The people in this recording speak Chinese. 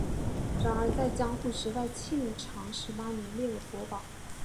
然而在江户时代庆长十八年列为国宝。